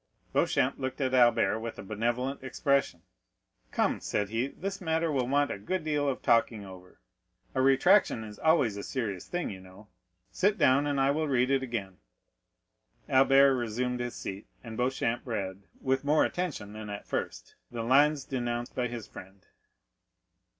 Beauchamp looked at Albert with a benevolent expression. "Come," said he, "this matter will want a good deal of talking over; a retractation is always a serious thing, you know. Sit down, and I will read it again." Albert resumed his seat, and Beauchamp read, with more attention than at first, the lines denounced by his friend.